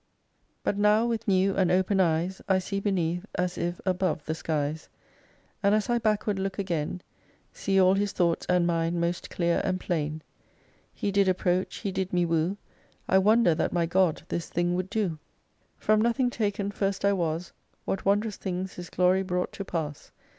5 But now, with new and open eyes, I see beneath, as if above the skies, And as I backward look again See all His thoughts and mine most clear and plain. He did approach. He me did woo ; I wonder that my God this thing would do. 6 From nothing taken first I was ; What wondrous things His glory brought to pass